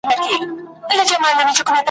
په نصیب یې وي مېلې د جنتونو ,